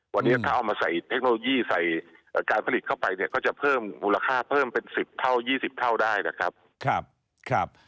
วันนี้ถ้าเอามาใส่เทคโนโลยีใส่การผลิตเข้าไปเนี่ยก็จะเพิ่มมูลค่าเพิ่มเป็น๑๐เท่า๒๐เท่าได้นะครับ